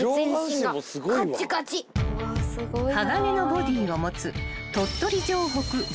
［鋼のボディーを持つ］